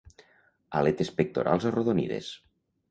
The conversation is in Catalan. Aletes pectorals arrodonides.